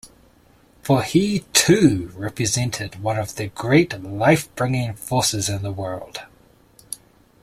For he, too, represented one of the great life-bringing forces of the world.